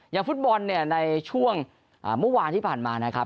ฟุตบอลเนี่ยในช่วงเมื่อวานที่ผ่านมานะครับ